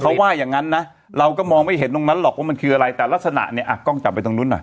เขาว่าอย่างนั้นนะเราก็มองไม่เห็นตรงนั้นหรอกว่ามันคืออะไรแต่ลักษณะเนี่ยอ่ะกล้องจับไปตรงนู้นหน่อย